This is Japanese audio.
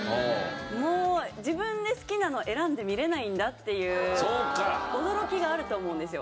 もう自分で好きなのを選んで見れないんだっていう驚きがあると思うんですよ。